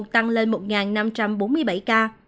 tăng lên một năm trăm bốn mươi bảy ca